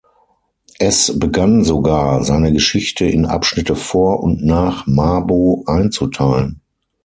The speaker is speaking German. Es begann sogar, seine Geschichte in Abschnitte vor und nach Mabo einzuteilen.